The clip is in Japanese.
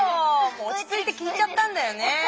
おちついてきいちゃったんだよね。